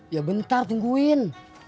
ya bentar tungguin